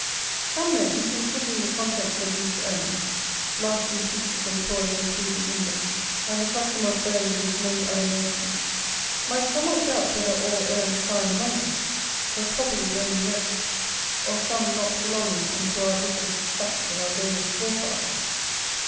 Some men, considering the contents of these urns, lasting pieces and toys included in them, and the custom of burning with many other nations, might somewhat doubt whether all urns found among us, were properly Roman relicks, or some not belonging unto our British, Saxon, or Danish forefathers.